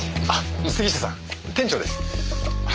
杉下さん店長です。